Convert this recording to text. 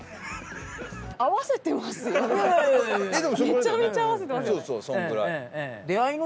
めちゃめちゃ合わせてますよね？